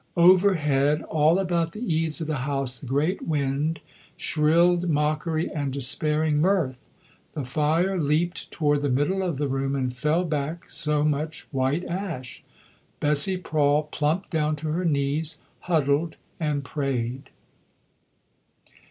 Overhead, all about the eaves of the house the great wind shrilled mockery and despairing mirth. The fire leapt toward the middle of the room and fell back so much white ash. Bessie Prawle plumped down to her knees, huddled, and prayed.